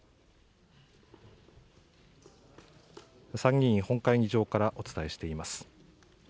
参議院本会議場からお伝えしています。